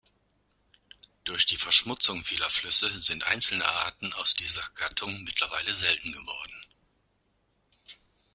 Durch die Verschmutzung vieler Flüsse sind einzelne Arten aus dieser Gattung mittlerweile selten geworden.